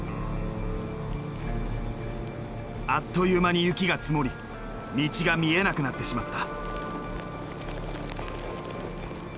あっという間に雪が積もり道が見えなくなってしまった。